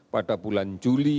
pada bulan juli